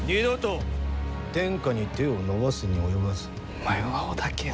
お前は織田家を。